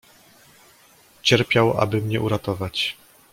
"Cierpiał, aby mnie uratować!"